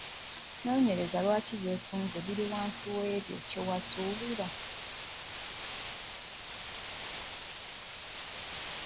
Noonyereza lwaki by’otunze biri wansi w’ebyo kye wasuubira.